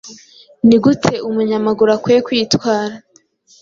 ni gute umunyamaguru akwiye kwitwara